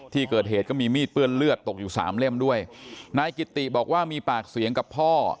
ที่เกิดเหตุก็มีมีดเปื้อนเลือดตกอยู่สามเล่มด้วยนายกิติบอกว่ามีปากเสียงกับพ่อ